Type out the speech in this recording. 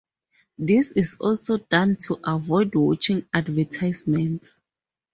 This is also done to avoid watching advertisements.